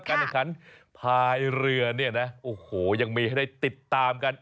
การแข่งขันภายเรือโอ้โหยังมีให้ได้ติดตามกัน